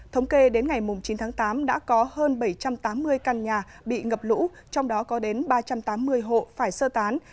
thống kê đến ngày chín tháng tám đã có hơn bảy trăm tám mươi căn nhà bị ngập lũ trong đó có đến ba trăm tám mươi hộ phải sơ tán